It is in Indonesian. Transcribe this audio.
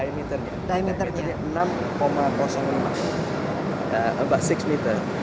diameternya enam lima enam meter